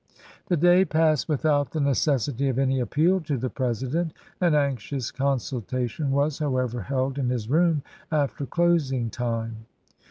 The day passed without the necessity of any appeal to the president. An anxious consultation was, however, held in his room after closing time.